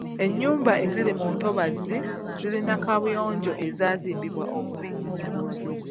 Enyumba eziri mu ntobazi zirina kaabuyoonjo ezaazimbibwa obubi.